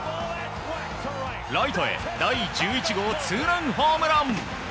ライトへ第１１号ツーランホームラン。